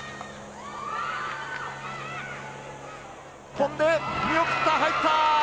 飛んで、見送った、入った！